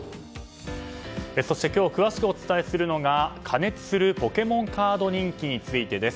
そして今日詳しくお伝えするのが加熱するポケモンカード人気についてです。